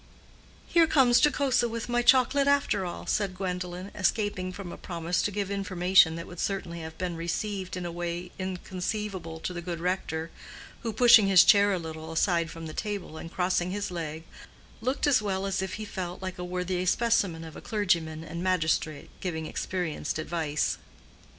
"Here comes Jocosa with my chocolate after all," said Gwendolen, escaping from a promise to give information that would certainly have been received in a way inconceivable to the good rector, who, pushing his chair a little aside from the table and crossing his leg, looked as well as if he felt like a worthy specimen of a clergyman and magistrate giving experienced advice.